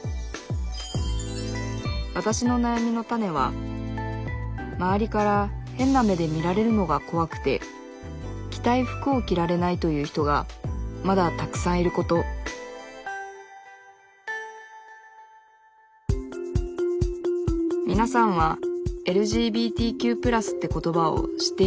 わたしのなやみのタネは周りから変な目で見られるのが怖くて着たい服を着られないという人がまだたくさんいることみなさんは「ＬＧＢＴＱ＋」って言葉を知っていますか？